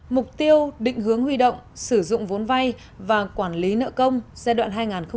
mục tiêu định hướng huy động sử dụng vốn vay và quản lý nợ công giai đoạn hai nghìn một mươi sáu hai nghìn hai mươi